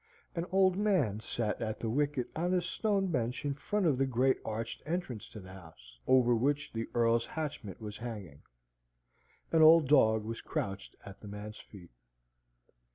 An old man sate at the wicket on a stone bench in front of the great arched entrance to the house, over which the earl's hatchment was hanging. An old dog was crouched at the man's feet.